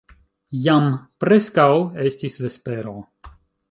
Jam preskaŭ estis vespero.